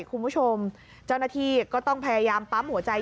คุณผู้ชมเจ้าหน้าที่ก็ต้องพยายามปั๊มหัวใจ